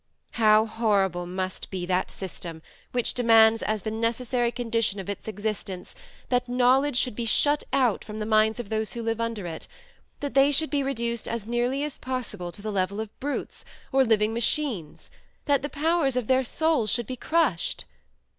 "How horrible must be that system which demands as the necessary condition of its existence, that knowledge should be shut out from the minds of those who live under it that they should be reduced as nearly as possible to the level of brutes, or living machines that the powers of their souls should be crushed!